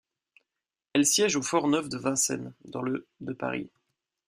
Elle siège au Fort-Neuf de Vincennes, dans le de Paris.